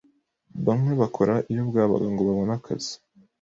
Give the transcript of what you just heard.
bamwe bakora iyo bwabaga ngo babone akazi